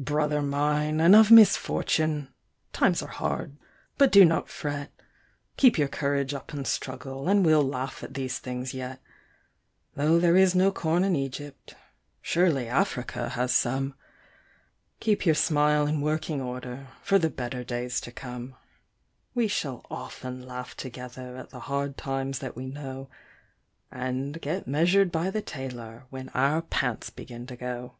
Brother mine, and of misfortune ! times are hard, but do not fret, Keep your courage up and struggle, and we'll laugh at these things yet. Though there is no corn in Egypt, surely Africa has some Keep your smile in working order for the better days to come ! We shall often laugh together at the hard times that we know, And get measured by the tailor when our pants begin to go.